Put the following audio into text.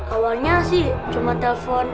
awalnya sih cuma telpon